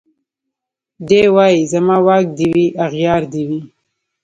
دی وايي زما واک دي وي اغيار دي وي